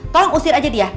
tolong usir aja dia